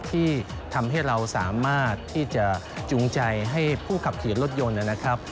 ที่ทำให้เราสามารถที่จะจูงใจให้ผู้ขับขี่รถยนต์นะครับ